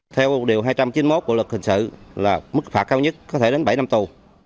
theo một điều hai trăm chín mươi một bộ luật hình sự là mức phạt cao nhất có thể đến bảy năm tù